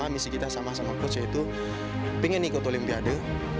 misi kita sama sama coach yaitu pingin ikut olimpiade